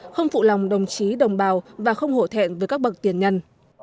không phụ lòng đồng chí đồng bào và không hổ thẹn với các bậc tiền nhân